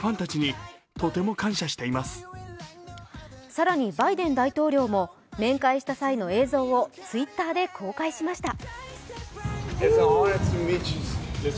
更に、バイデン大統領も面会した際の映像をＴｗｉｔｔｅｒで公開しました。